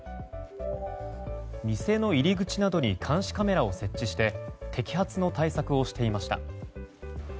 店の入り口などに監視カメラを設置して摘発の対策をしていました。